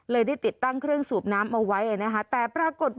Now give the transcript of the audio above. ได้ติดตั้งเครื่องสูบน้ำเอาไว้นะคะแต่ปรากฏว่า